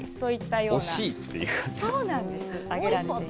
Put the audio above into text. そうなんです。